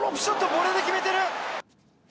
これで決めてる！